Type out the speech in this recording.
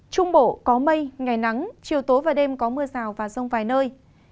trung bộ có mây ngày nắng chiều tối và đêm có mưa rào và rông vài nơi